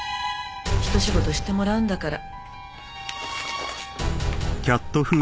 ひと仕事してもらうんだから。